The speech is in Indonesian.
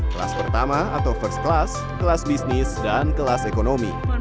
kelas pertama atau first class kelas bisnis dan kelas ekonomi